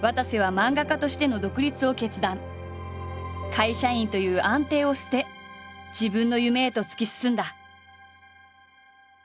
会社員という安定を捨て自分の夢へと突き進んだ。